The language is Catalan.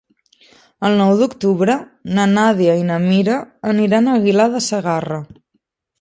El nou d'octubre na Nàdia i na Mira aniran a Aguilar de Segarra.